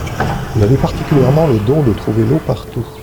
Il avait particulièrement le don de trouver l'eau partout.